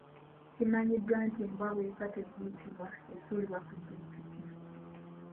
Kimanyiddwa nti embwa bw'efa teziikibwa esuulibwa ku jjirikiti.